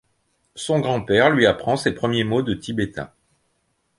Son grand-père lui apprend ses premiers mots de tibétain.